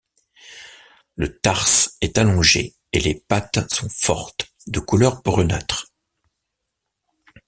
Le tarse est allongé et les pattes sont fortes, de couleur brunâtre.